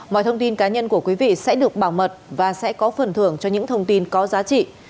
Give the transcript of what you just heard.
mọi thông tin cá nhân của quý vị sẽ được bảo mật và sẽ có phần thưởng cho những thông tin có giá trị